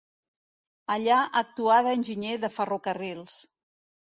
Allà actuà d'enginyer de ferrocarrils.